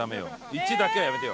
「１」だけはやめてよ。